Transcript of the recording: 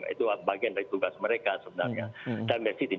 itu bagian dari tugas mereka sebenarnya